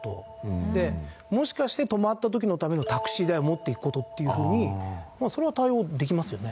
でもしかして止まった時のためのタクシー代を持っていく事っていうふうにそれは対応できますよね。